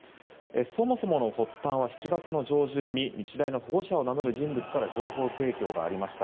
そもそもの発端は７月の上旬に日大の保護者を名乗る人物から情報提供がありました。